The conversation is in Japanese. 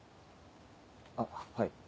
あっはい。